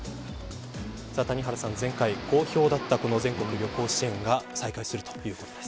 谷原さん、前回好評だった全国旅行支援が再開するということです。